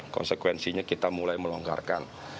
konsekuensinya kita mulai melonggarkan